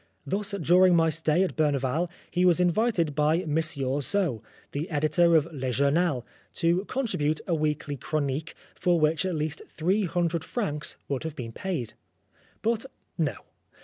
Thus, during my stay at Berneval, he was invited by Monsieur Xau, the editor of Le Journal, to contribute a weekly chronique, for which at least three hundred francs would have been paid. But no.